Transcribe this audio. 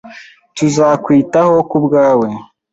Tuzakwitaho kubwawe.